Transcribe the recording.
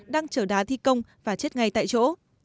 đang chở đá thi công và chết ngay tại chỗ